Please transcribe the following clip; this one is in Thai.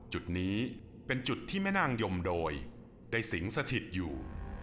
จุดนี้เป็นจุดที่แม่นางยมโดยได้สิงสถิตอยู่